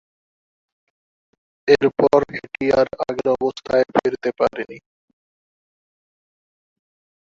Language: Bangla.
এর পর এটি আর আগের অবস্থায় ফিরতে পারেনি।